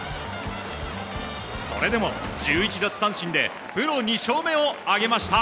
それでも１１奪三振でプロ２勝目を挙げました。